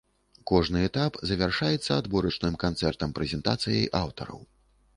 Кожны этап завяршаецца адборачным канцэртам-прэзентацыяй аўтараў.